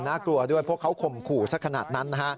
น่ากลัวด้วยเพราะเขาข่มขู่สักขนาดนั้น